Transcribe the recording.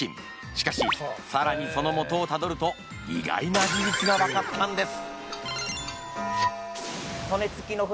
しかしさらにそのモトをタドルと意外な事実が分かったんです。